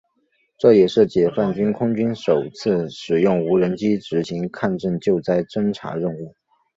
这也是解放军空军首次使用无人机执行抗震救灾侦察任务。